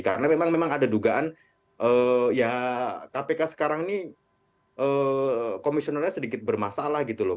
karena memang ada dugaan kpk sekarang ini komisionernya sedikit bermasalah gitu loh